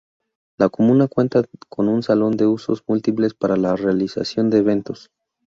La comuna cuenta con un Salón de Usos Múltiples para la realización de eventos.